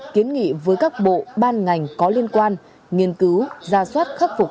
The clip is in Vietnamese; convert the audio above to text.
kiến nghị với các bộ ban ngành có liên quan nghiên cứu ra soát khắc phục